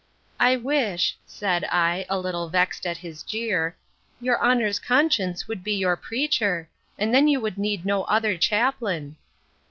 —I wish, said I, a little vexed at his jeer, your honour's conscience would be your preacher, and then you would need no other chaplain.